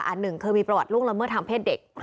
หนึ่งเคยมีประวัติล่วงละเมิดทางเพศเด็ก